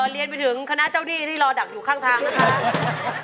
เรียนไปถึงคณะเจ้าหนี้ที่รอดักอยู่ข้างทางนะคะ